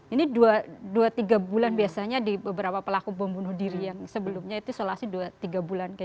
ini dua tiga bulan biasanya di beberapa pelaku bom bunuh diri yang sebelumnya itu isolasi tiga bulan